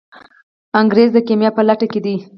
انګریز د کیمیا په لټه کې دی.